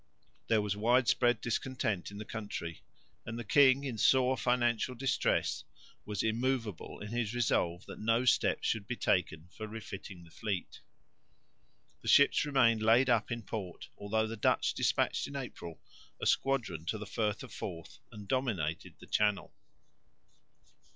There was widespread discontent in the country; and the king in sore financial distress was immovable in his resolve that no steps should be taken for refitting the fleet. The ships remained laid up in port, although the Dutch despatched in April a squadron to the Firth of Forth and dominated the Channel.